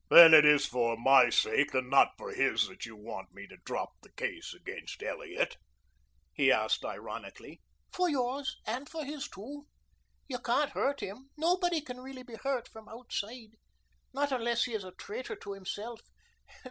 "Then it is for my sake and not for his that you want me to drop the case against Elliot?" he asked ironically. "For yours and for his, too. You can't hurt him. Nobody can really be hurt from outside not unless he is a traitor to himself.